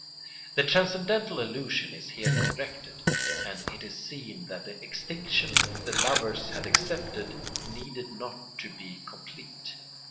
The transcendental illusion is here corrected, and it is seen that the extinction the lovers had accepted needed not to be complete.